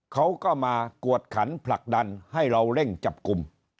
เขาก็มากวดขันผลักดันให้เราเร่งจับกลุ่ม